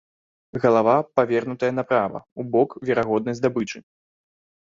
Галава павернутая направа, у бок верагоднай здабычы.